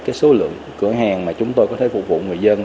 cái số lượng cửa hàng mà chúng tôi có thể phục vụ người dân